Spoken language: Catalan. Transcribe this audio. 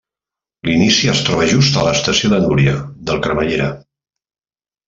L’inici es troba just a l’Estació de Núria del cremallera.